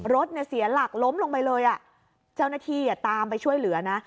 รถเนี่ยเสียหลักล้มลงไปเลยอ่ะเจ้าหน้าที่ตามไปช่วยเหลือนะ